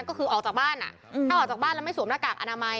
ก็คือออกจากบ้านถ้าออกจากบ้านแล้วไม่สวมหน้ากากอนามัย